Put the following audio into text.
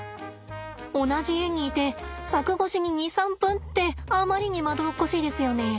同じ園にいて柵越しに２３分ってあまりにまどろっこしいですよね。